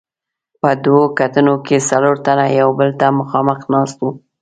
په دوو کټونو کې څلور تنه یو بل ته مخامخ ناست وو.